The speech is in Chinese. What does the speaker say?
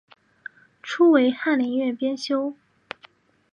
初为翰林院编修。